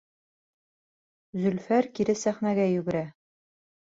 Зөлфәр кире сәхнәгә йүгерә.